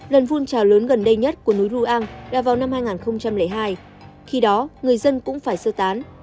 lần phun trào lớn gần đây nhất của núi ruang là vào năm hai nghìn hai khi đó người dân cũng phải sơ tán